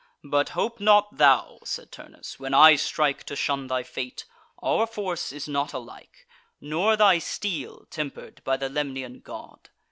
"But hope not thou," said Turnus, "when I strike, To shun thy fate: our force is not alike, Nor thy steel temper'd by the Lemnian god."